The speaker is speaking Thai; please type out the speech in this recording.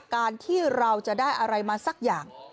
การที่เราจะได้อะไรมาสักอย่าง